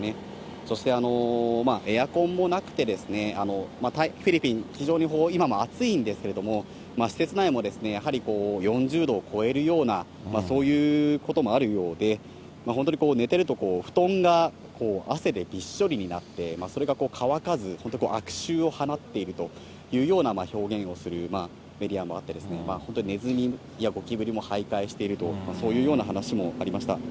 そしてエアコンもなくて、フィリピン、非常に今も暑いんですけれども、施設内もやはり４０度を超えるような、そういうこともあるようで、本当に寝てると布団が汗でびっしょりになって、それが乾かず、本当悪臭を放っているというような表現をするメディアもあって、本当にネズミやゴキブリもはいかいしているというようなそういうような話もありました。